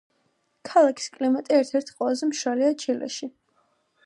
ქალაქის კლიმატი ერთ-ერთი ყველაზე მშრალია ჩილეში.